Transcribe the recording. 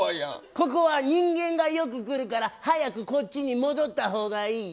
ここは人間がよく来るから早くこっちに戻ったほうがいい。